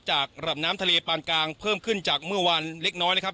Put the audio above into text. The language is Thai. ระดับน้ำทะเลปานกลางเพิ่มขึ้นจากเมื่อวันเล็กน้อยนะครับ